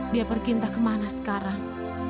dia pergi entah kemana sekarang